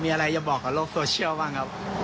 มีอะไรจะบอกกับโลกโซเชียลบ้างครับ